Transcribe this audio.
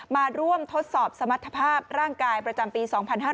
มาร่วมทดสอบสมรรถภาพร่างกายประจำปี๒๕๕๙